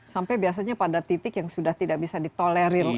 sampai biasanya pada titik yang sudah tidak bisa ditolerir